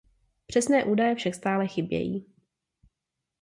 Přesné údaje však stále chybějí.